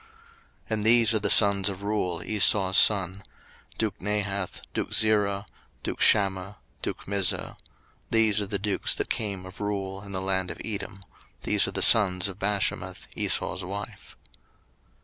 01:036:017 And these are the sons of Reuel Esau's son; duke Nahath, duke Zerah, duke Shammah, duke Mizzah: these are the dukes that came of Reuel in the land of Edom; these are the sons of Bashemath Esau's wife.